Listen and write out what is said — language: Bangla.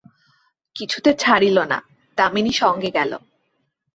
কিছুতে ছাড়িল না, দামিনী সঙ্গে গেল।